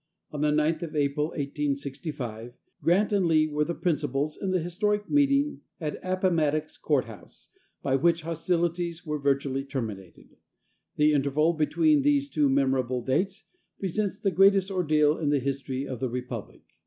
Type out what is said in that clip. On the ninth of April, 1865, Grant and Lee were the principals in the historic meeting at Appomattox Court House, by which hostilities were virtually terminated. The interval between those two memorable dates presents the greatest ordeal in the history of the Republic.